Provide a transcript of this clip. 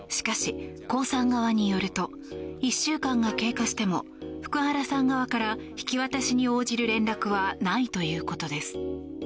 しかし、コウさん側によると１週間が経過しても福原さん側から引き渡しに応じる連絡はないということです。